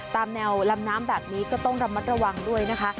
ตามแนวลำน้ำแบบนี้ก็ต้องระมัดระวังด้วยนะคะ